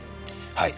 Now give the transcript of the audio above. はい。